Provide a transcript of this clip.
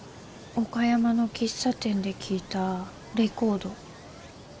岡山の喫茶店で聴いたレコード。